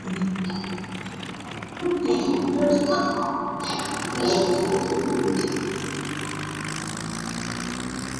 油印是在计算机打印未流行前的一种用蜡纸印刷的方法。